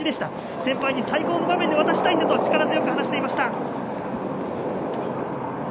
先輩に最高の位置で渡したいんだと力強く話していました。